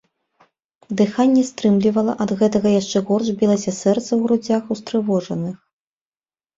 Дыханне стрымлівала, ад гэтага яшчэ горш білася сэрца ў грудзях устрывожаных.